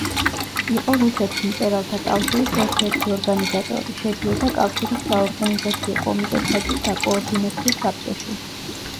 იყო რუსეთის მწერალთა კავშირის ერთ-ერთი ორგანიზატორი, შედიოდა კავშირის საორგანიზაციო კომიტეტსა და საკოორდინაციო საბჭოში.